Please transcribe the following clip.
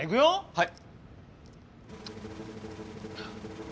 はい。